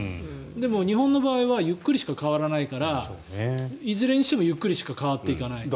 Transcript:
でも日本の場合はゆっくりしかかわらないからいずれにしてもゆっくりしか変わっていかない。